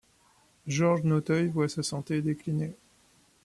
Georges Nanteuil voit sa santé décliner.